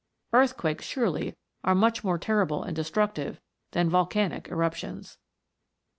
Earth quakes surely are much more terrible and destruc tive than volcanic eruptions.